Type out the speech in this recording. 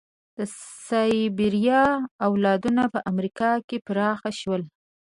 د سایبریا اولادونه په امریکا کې پراخه شول.